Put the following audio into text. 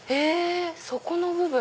底の部分。